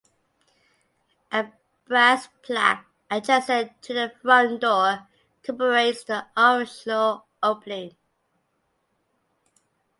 A brass plaque adjacent to the front door commemorates the official opening.